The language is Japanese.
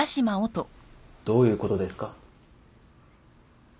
どういうことですか？